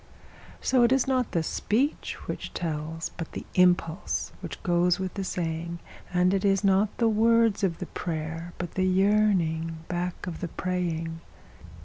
So it is not the speech which tells, but the impulse which goes with the saying; And it is not the words of the prayer, but the yearning back of the praying.